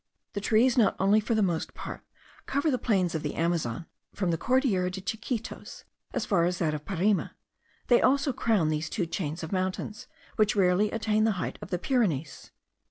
The trees not only for the most part cover the plains of the Amazon, from the Cordillera de Chiquitos, as far as that of Parime; they also crown these two chains of mountains, which rarely attain the height of the Pyrenees.